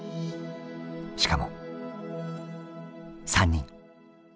しかも３人！